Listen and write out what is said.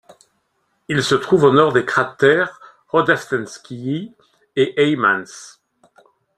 Il se trouve au nord des cratères Rozhdestvenskiy et Heymans.